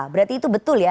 berarti itu betul ya